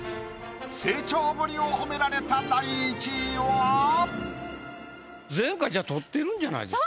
成長ぶりを褒められた第１位は⁉前回じゃあ獲ってるんじゃないですか。